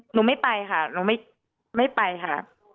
หนูไม่ไปค่ะหนูไม่ไปค่ะ